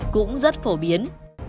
cũng rất phổ biến